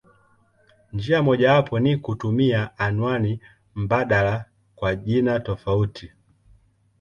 Njia mojawapo ni kutumia anwani mbadala kwa jina tofauti.